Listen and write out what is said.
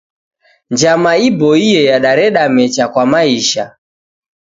Njama iboie yadareda mecha kwa maisha.